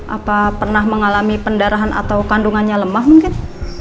apa pernah mengalami pendarahan atau kandungannya lemah mungkin